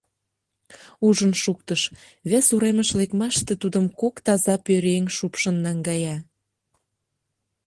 Ужын шуктыш: вес уремыш лекмаште тудым кок таза пӧръеҥ шупшын наҥгая.